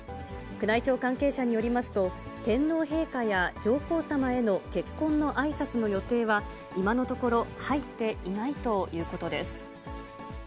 宮内庁関係者によりますと、天皇陛下や上皇さまへの結婚のあいさつの予定は今のところ入っていないということです。